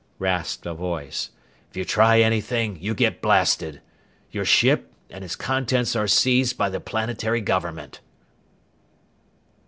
rasped a voice. "If you try anything you get blasted! Your ship and its contents are seized by the planetary government!"